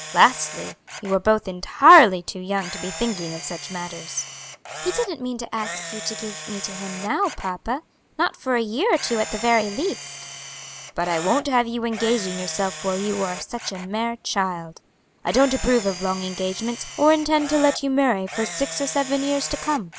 Lastly, you are both entirely too young to be thinking of such matters." "He didn't mean to ask you to give me to him now, papa; not for a year or two at the very least." "But I won't have you engaging yourself while you are such a mere child. I don't approve of long engagements, or intend to let you marry for six or seven years to come.